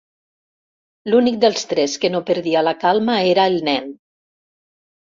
L'únic dels tres que no perdia la calma era el nen.